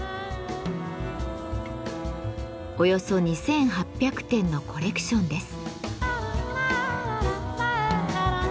およそ２，８００点のコレクションです。